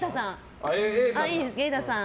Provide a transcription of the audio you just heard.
瑛太さん。